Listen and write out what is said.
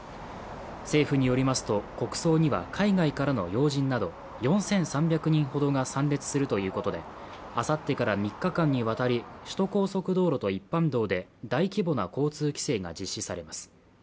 政府によりますと国葬には海外からの要人など４３００人ほどが参列するということであさってから３日間にわたり首都高速道路と一般道路で大規模な交通規制が実施されます。